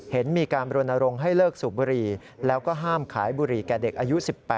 เห็นมีการบรณรงค์ให้เลิกสูบบุรีแล้วก็ห้ามขายบุหรี่แก่เด็กอายุ๑๘